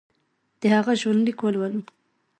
د هغه ژوندلیک ولولو.